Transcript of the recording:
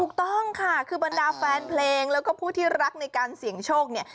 ถูกต้องค่ะคือบรรดาแฟนเพลงแล้วก็ผู้ที่รักในการเสี่ยงโชคเนี่ย